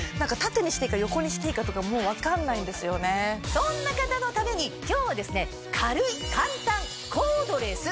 そんな方のために今日は。